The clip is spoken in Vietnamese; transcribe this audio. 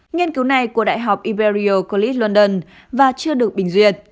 nghiên cứu này của đại học imperial college london và chưa được bình duyệt